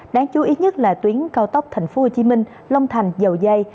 đáng chú ý nhất là tuyến cao tốc thành phố hồ chí minh long thành dầu dây